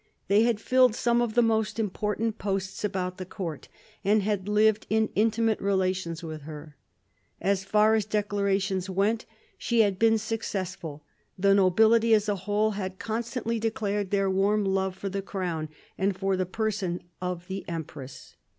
They had filled some of the most important posts about the court, and had lived in intimate relations with her. As far as declarations went, she had been successful ; the nobility as a whole had constantly declared their warm love for the crown and for the person of the empress.